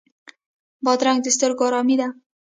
بادرنګ د سترګو آرامي ده.